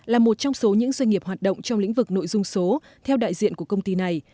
là một trong số những doanh nghiệp hoạt động trong lĩnh vực nội dung số theo đại diện của công ty này